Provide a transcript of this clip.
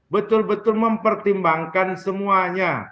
betul betul mempertimbangkan semuanya